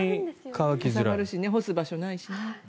かさばるしね干す場所ないしね。